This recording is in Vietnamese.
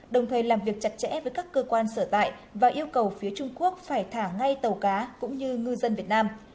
đồng thời làm việc chặt chẽ với các cơ quan sở tại và yêu cầu phía trung quốc phải thả ngay tàu cá cũng như ngư dân việt nam